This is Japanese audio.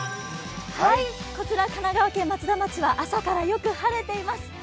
こちら神奈川県松田町は朝からよく晴れています。